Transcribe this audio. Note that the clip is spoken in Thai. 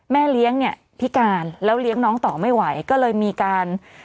แม่เลี้ยงเนี่ยพิการแล้วเลี้ยงน้องต่อไม่ไหวก็เลยมีการ